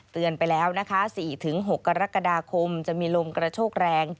เตือนไปแล้วนะคะ๔๖กรกฎาคมจะมีลมกระโชกแรง